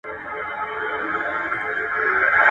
ډاکټران سپارښتنه کوي واکسین مه هېروئ.